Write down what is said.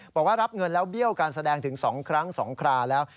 บอกว่ารับเงินแล้วเบี้ยวการแสดงถึง๒ครั้ง๒คราแล้ว